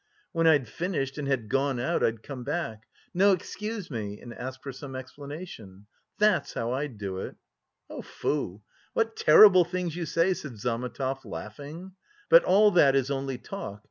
When I'd finished and had gone out, I'd come back, 'No, excuse me,' and ask for some explanation. That's how I'd do it." "Foo! what terrible things you say!" said Zametov, laughing. "But all that is only talk.